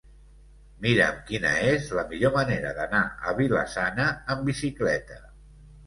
Mira'm quina és la millor manera d'anar a Vila-sana amb bicicleta.